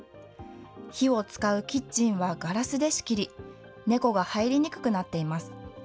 火を使うキッチンはガラスで仕切り、猫が入りにくくなっています。